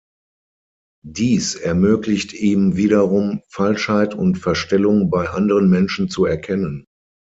Dies ermöglicht ihm wiederum Falschheit und Verstellung bei anderen Menschen zu erkennen.